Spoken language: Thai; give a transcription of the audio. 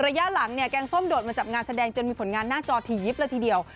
ระยะหลังเนี่ยแกงส้มโดดมาจับงานแสดงจนมีผลงานหน้าจอทียิบเลยทีเดียว